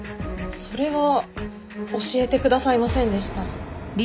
それは教えてくださいませんでした。